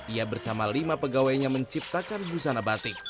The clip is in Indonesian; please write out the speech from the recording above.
ia bersama lima pegawainya menciptakan busana batik